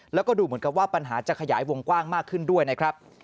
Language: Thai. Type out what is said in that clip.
แล้วก็ดูเหมือนกับว่าปัญหาจะขยายวงกว้างมากขึ้นด้วยนะครับ